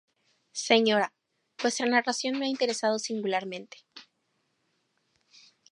Señora: Vuestra narración me ha interesado singularmente.